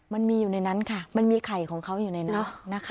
มันมีอยู่ในนั้นค่ะมันมีไข่ของเขาอยู่ในนั้นนะคะ